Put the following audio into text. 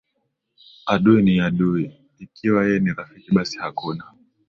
adui ni adui Ikiwa yeye ni rafiki basi hakuna